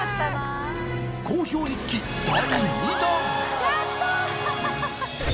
好評につき第２弾